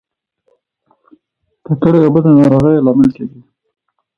ککړې اوبه د ناروغیو لامل کیږي.